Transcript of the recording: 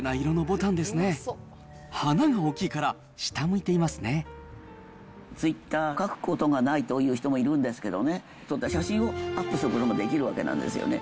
花が大きいから下向いていまツイッター、書くことがないという人もいるんですけどね、撮った写真をアップすることもできるわけなんですよね。